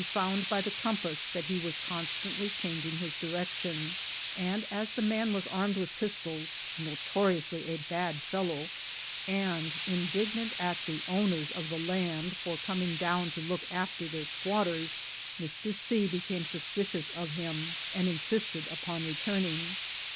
found by the compass that he was constantly changing his direction ; and as the man was armed with pistols, notoriously a bad fellow, and indignant at the owners of the land for coming down to look after their squat ters, Mr. C. became suspicious of him, and insisted upon returning.